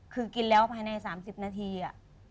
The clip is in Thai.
คือกินแล้วภายใน๓๐นาที